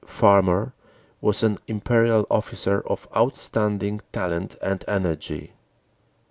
Farmar, was an Imperial officer of outstanding talent and energy.